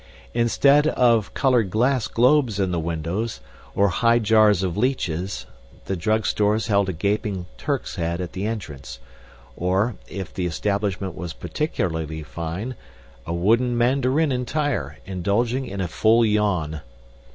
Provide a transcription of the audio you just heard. Instead of colored glass globes in the windows, or high jars of leeches, the drugstores had a gaping Turk's head at the entrance or, if the establishment was particularly fine, a wooden mandarin entire, indulging in a full yawn.